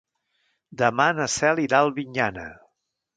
Demà na Cel irà a Albinyana.